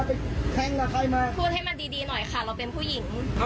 พูดให้มันดีหน่อยค่ะเราเป็นผู้หญิง